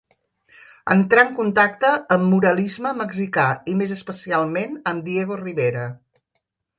Entra en contacte amb muralisme mexicà i més especialment amb Diego Rivera.